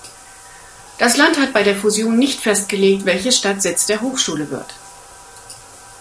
Das Land hat bei der Fusion nicht festgelegt, welche Stadt Sitz der Hochschule wird.